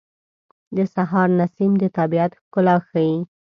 د سهار نسیم د طبیعت ښکلا ښیي.